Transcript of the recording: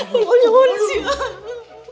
ya allah ya allah si aden